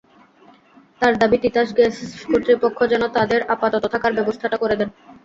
তাঁর দাবি, তিতাস গ্যাস কর্তৃপক্ষ যেন তাঁদের আপাতত থাকার ব্যবস্থাটা করে দেন।